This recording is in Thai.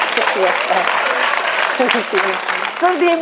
จริงจริงจริงจริง